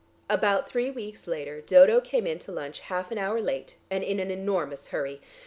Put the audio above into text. About three weeks later Dodo came in to lunch half an hour late and in an enormous hurry.